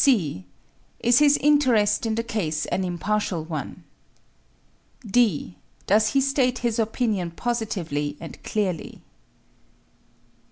(c) Is his interest in the case an impartial one? (d) Does he state his opinion positively and clearly?